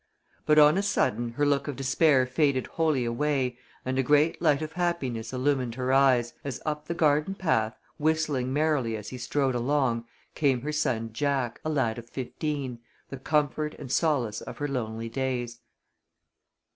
But on a sudden her look of despair faded wholly away and a great light of happiness illumined her eyes, as up the garden path, whistling merrily as he strode along, came her son Jack, a lad of fifteen, the comfort and solace of her lonely days.